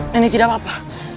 nenek tidak apa apa